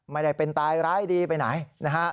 ไม่ได้เป็นตายร้ายดีไปไหนนะฮะ